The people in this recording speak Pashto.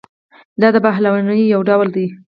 دا د پهلوانۍ یو ډول دی.